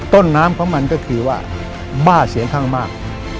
ต้นน้ำของมันก็คือว่าบ้าเสียงข้างมาก